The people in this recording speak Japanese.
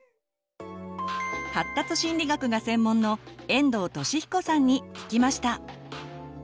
発達心理学が専門の遠藤利彦さんに聞きました。